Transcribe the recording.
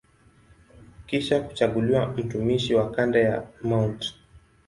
Kisha kuchaguliwa mtumishi wa kanda ya Mt.